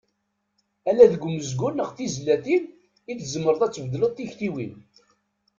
Ala deg umezgun neɣ tizlatin i tzemreḍ ad tbeddleḍ tiktiwin.